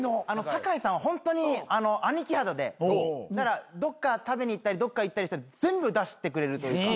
酒井さんはホントに兄貴肌でどっか食べに行ったりどっか行ったりしたら全部出してくれるというか。